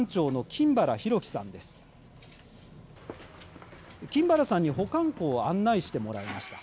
金原さんに保管庫を案内してもらいました。